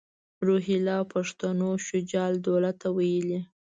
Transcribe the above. روهیله پښتنو شجاع الدوله ته ویلي.